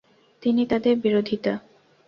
তিনি তাদের বিরোধিতা